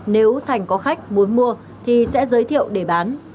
nếu thành có khách muốn mua thì sẽ giới thiệu để bán